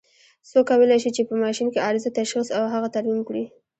څوک کولای شي چې په ماشین کې عارضه تشخیص او هغه ترمیم کړي؟